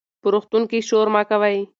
په روغتون کې شور مه کوئ.